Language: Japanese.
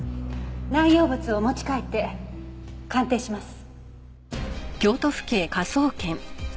内容物を持ち帰って鑑定します。